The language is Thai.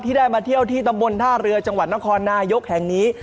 ได้มาเที่ยวที่ตำบลท่าเรือจังหวัดนครนายกแห่งนี้